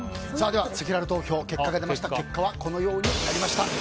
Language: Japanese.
せきらら投票の結果はこのようになりました。